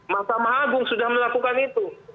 mahkamah agung sudah melakukan itu